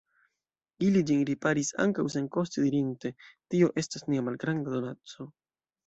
Ili ĝin riparis ankaŭ senkoste, dirinte: Tio estas nia malgranda donaco.